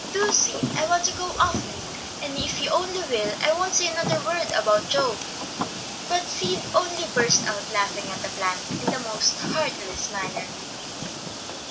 Do, Sid! I want to go awfully, and if you only will I won't say another word about Joe." But Sid only burst out laughing at the plan, in the most heartless manner.